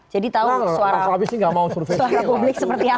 jadi tau suara publik seperti apa